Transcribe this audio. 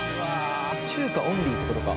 中華オンリーって事か。